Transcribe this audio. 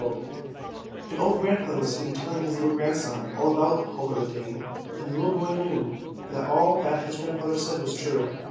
225 p 226 ANDERSEN'S FAIRY TALES An old grandfather was sitting telling his little grandson all this about Holger the Dane, and the little boy knew that all that his grandfather said was true.